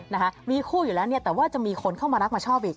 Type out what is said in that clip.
นะคะมีคู่อยู่แล้วเนี่ยแต่ว่าจะมีคนเข้ามารักมาชอบอีก